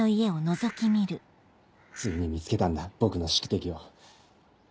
ついに見つけたんだ僕の宿敵を。